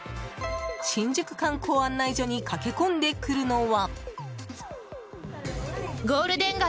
新宿観光案内所に駆け込んでくるのは。